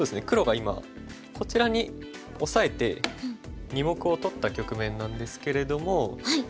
黒が今こちらにオサえて２目を取った局面なんですけれども。